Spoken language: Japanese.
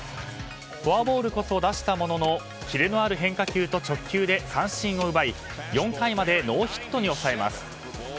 フォアボールこそ出したもののキレのある変化球と直球で三振を奪い４回までノーヒットに抑えます。